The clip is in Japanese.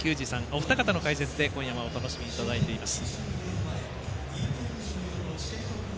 お二方の解説で今夜はお楽しみいただいています。